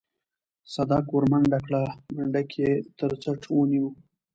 صدک ورمنډه کړه منډک يې تر څټ ونيوه.